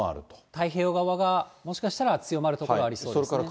太平洋側がもしかしたら強まる所、ありそうですね。